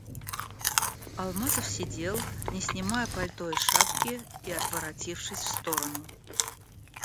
Алмазов сидел, не снимая пальто и шапки и отворотившись в сторону...